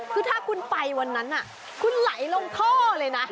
คือถ้าคุณไปวันนั้นคุณไหลลงท่อเลยนะ